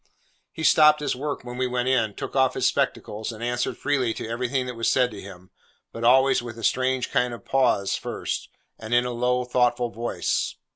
He stopped his work when we went in, took off his spectacles, and answered freely to everything that was said to him, but always with a strange kind of pause first, and in a low, thoughtful voice.